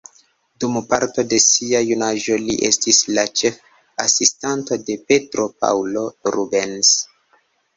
Dum parto de sia junaĝo li estis la ĉef-asistanto de Petro Paŭlo Rubens.